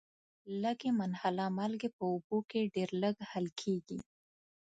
لږي منحله مالګې په اوبو کې ډیر لږ حل کیږي.